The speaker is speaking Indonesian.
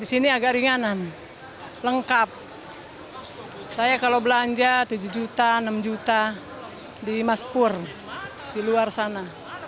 di sini agak ringanan lengkap saya kalau belanja tujuh juta enam juta di maspur di luar sana